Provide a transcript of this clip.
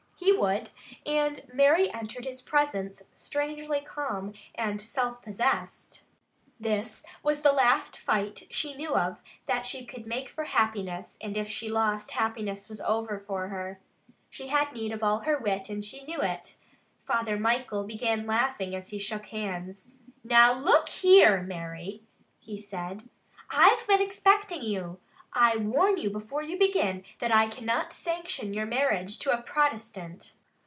He would, and Mary entered his presence strangely calm and self possessed. This was the last fight she knew of that she could make for happiness, and if she lost, happiness was over for her. She had need of all her wit and she knew it. Father Michael began laughing as he shook hands. "Now look here, Mary," he said, "I've been expecting you. I warn you before you begin that I cannot sanction your marriage to a Protestant."